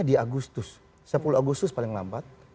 jadi di agustus sepuluh agustus paling lambat